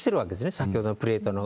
先ほどのプレートを。